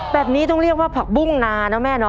แบบนี้ต้องเรียกว่าผักบุ้งนานะแม่เนอ